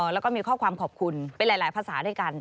และมีข้อความขอบคุณในหลายละภาษาด้วยกัน